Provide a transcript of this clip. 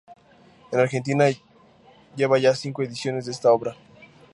En Argentina lleva ya cinco ediciones de esta obra.